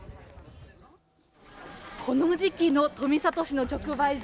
この時期の富里市の直売所。